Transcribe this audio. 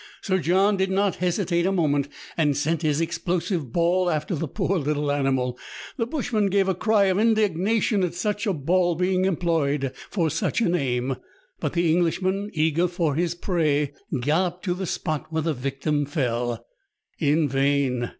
Sir John did not hesitate a moment, and sent his explosive ball after the poor little animal. The bushman gave a cry of indignation at such a ball being employed for such an aim ; but the Englishman, eager for his prey, galloped to the spot where the victim fell. In vain